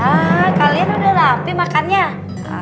nah kalian udah rapih makannya